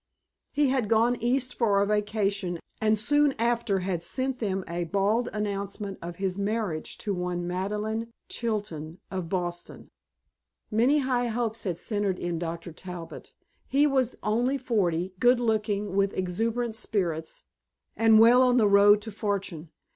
He had gone East for a vacation, and soon after had sent them a bald announcement of his marriage to one Madeleine Chilton of Boston. Many high hopes had centered in Dr. Talbot. He was only forty, good looking, with exuberant spirits, and well on the road to fortune.